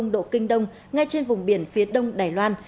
một trăm hai mươi hai độ kinh đông ngay trên vùng biển phía đông đài loan